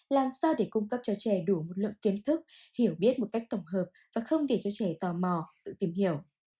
làm sao để cung cấp cho trẻ đủ một lượng kiến thức hiểu biết một cách tổng hợp và không để cho trẻ tò mò tự tìm hiểu